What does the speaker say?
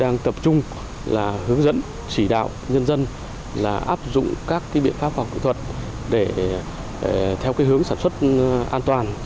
nói chung là hướng dẫn chỉ đạo nhân dân là áp dụng các biện pháp hoặc kỹ thuật để theo hướng sản xuất an toàn